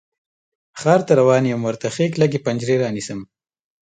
ښار ته روان یم، ورته ښې کلکې پنجرې رانیسم